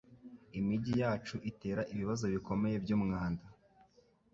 Imijyi yacu itera ibibazo bikomeye byumwanda